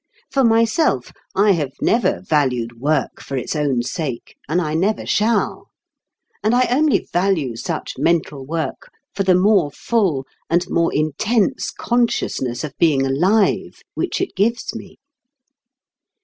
For myself, I have never valued work for its own sake, and I never shall. And I only value such mental work for the more full and more intense consciousness of being alive which it gives me.